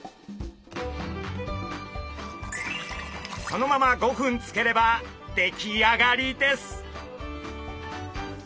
そのまま５分つければ出来上がりです！